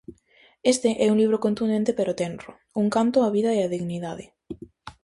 Este é un libro contundente pero tenro, un canto á vida e á dignidade.